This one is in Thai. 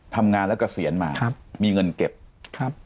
ทำงานแล้วเกษียณมาครับมีเงินเก็บครับ